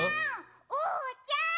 おうちゃん！